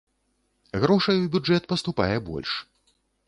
Грошай у бюджэт паступае больш.